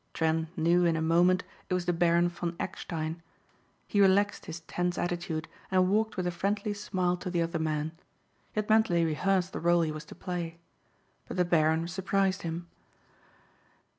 Trent knew in a moment it was the Baron von Eckstein. He relaxed his tense attitude and walked with a friendly smile to the other man. He had mentally rehearsed the rôle he was to play. But the Baron surprised him.